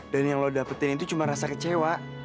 dan yang lo dapetin itu cuma rasa kecewa